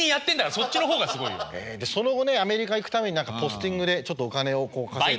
その後ねアメリカ行くためにポスティングでちょっとお金を稼いで。